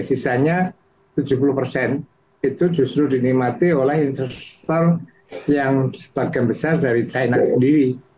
sisanya tujuh puluh persen itu justru dinikmati oleh investor yang sebagian besar dari china sendiri